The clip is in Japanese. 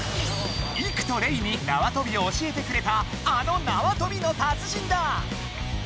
イクとレイになわとびを教えてくれたあのなわとびの達人だ！